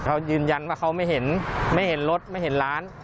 เขายืนยันว่าเขาไม่เห็นไม่เห็นรถไม่เห็นร้าน